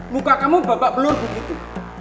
luka kamu babak belur begitu